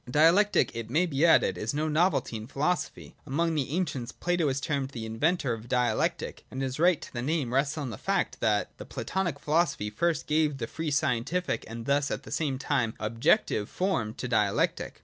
Dialectic, it may be added, is no novelty in philosophy. Among the ancients Plato is termed the inventor of Dialectic ; and his right to the name rests on the fact, that the Platonic philosophy first gave the free scientific, and thus at the same time the objective, form to Dialectic.